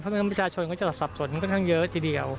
เพราะฉะนั้นประชาชนก็จะสับสนค่อนข้างเยอะทีเดียว